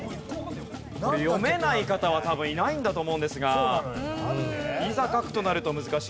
読めない方は多分いないんだと思うんですがいざ書くとなると難しいですね。